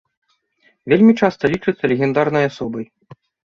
Вельмі часта лічыцца легендарнай асобай.